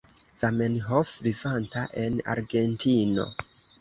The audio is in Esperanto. Zamenhof, vivanta en Argentino.